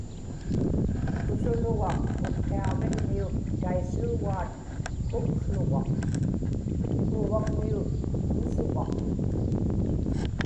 kusulugaq Utqiaġvigmiut taisuugaat kukługaq, Kuuvagmiut kusugaq